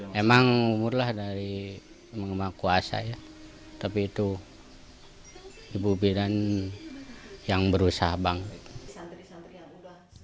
memang umur lah dari kuasa ya tapi itu ibu bidan yang berusaha banget